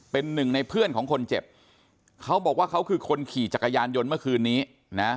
เป็นหนึ่งในเพื่อนของคนเจ็บเขาบอกว่าเขาคือคนขี่จักรยานยนต์เมื่อคืนนี้นะ